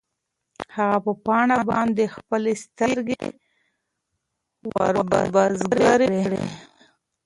هغه په پاڼه باندې خپلې سترګې وربرګې کړې.